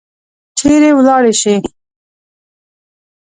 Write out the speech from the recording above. چیرې ولاړي شي؟